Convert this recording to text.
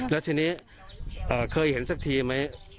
แล้วทีนี้เคยเห็นสักทีไหม